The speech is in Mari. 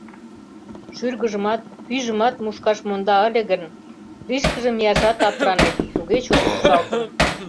Шӱргыжымат, пӱйжымат мушкаш монда ыле гын, лишкыже мияшат аптыранет — туге чот ӱпшалтын.